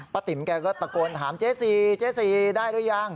ปู